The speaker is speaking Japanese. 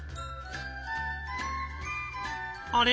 あれ？